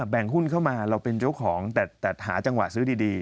แบ่งหุ้นเข้ามาเราเป็นเจ้าของแต่หาจังหวะซื้อดี